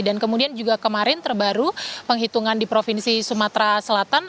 dan kemudian juga kemarin terbaru penghitungan di provinsi sumatera selatan